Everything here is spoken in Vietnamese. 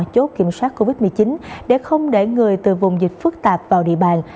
chốt kiểm soát covid một mươi chín để không để người từ vùng dịch phức tạp vào địa bàn